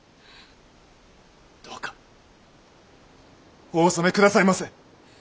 どうかお納め下さいませ。